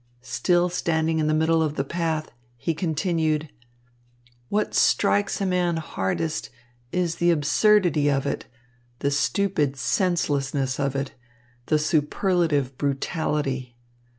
Still standing in the middle of the path, he continued: "What strikes a man hardest is the absurdity of it, the stupid senselessness of it, the superlative brutality.